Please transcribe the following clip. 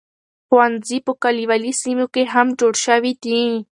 ښوونځي په کليوالي سیمو کې هم جوړ شوي دي.